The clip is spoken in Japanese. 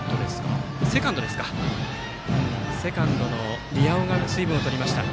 セカンドの宮尾が水分をとりました。